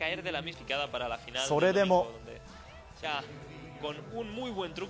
それでも。